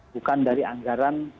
bukan dari anggaran